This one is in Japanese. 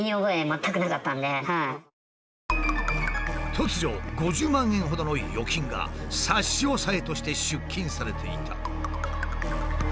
突如５０万円ほどの預金が差し押さえとして出金されていた。